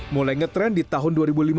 mulai ngetrend di tahun dua ribu lima belas